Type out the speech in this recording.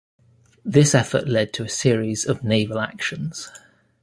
This effort led to a series of naval actions.